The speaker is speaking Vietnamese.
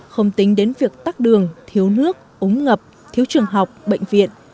không tính đến việc tắt đường thiếu nước ống ngập thiếu trường học bệnh viện